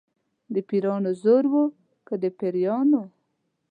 د پیرانو زور و که د پیریانو.